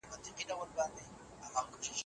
اسلام د عقيدې په انتخاب کي عقل ته ونډه ورکوي.